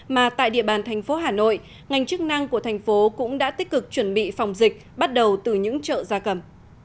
mà tại địa bàn thành phố hà nội ngành chức năng của thành phố cũng đã tích cực chuẩn bị phòng dịch bắt đầu từ những chợ gia cầm